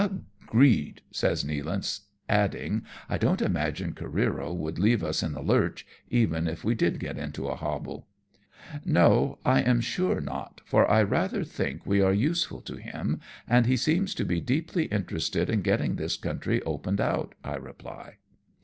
" Agreed !" says Nealance, adding, " I don't imagine Careero would leave us in the lurch, even if we did get into a hobble/' " No ! I am sure not, for I rather think we are use ful to him, and he seems to be deeply interested in getting this country opened out," I reply.